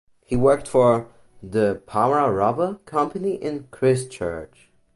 He worked for the Para Rubber Company in Christchurch.